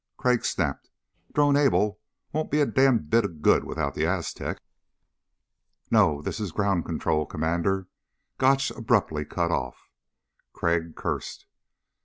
Crag snapped, "Drone Able won't be a damn bit of good without the Aztec." "No, this is ground control, Commander." Gotch abruptly cut off. Crag cursed.